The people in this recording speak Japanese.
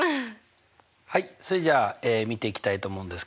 はいそれじゃあ見ていきたいと思うんですけど